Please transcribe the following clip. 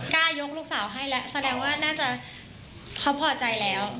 กล้ายกลูกสาวให้แล้วแสดงว่าน่าจะเขาพอใจแล้ว